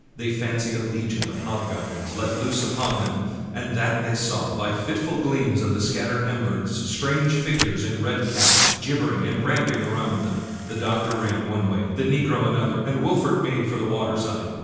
They fancied a legion of hobgoblins let loose upon them, and that they saw, by the fitful gleams of the scattered embers, strange figures, in red caps, gib bering and ramping around them. The doctor ran one way, the negro another, and Wolfert made for the water side.